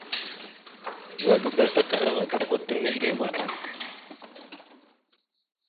Ɓəza gamənda takaɗava ta kwatar nehe maɗak.